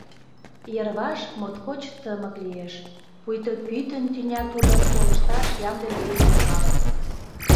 Йырваш моткоч тымык лиеш, пуйто пӱтынь тӱня тудым колышташ ямде лийын шогалын.